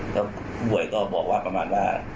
แล้วผู้ป่วยก็บอกว่าประมาณว่า